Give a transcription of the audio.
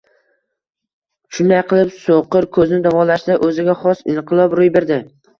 Shunday qilib, so‘qir ko‘zni davolashda o‘ziga xos inqilob ro‘y berdi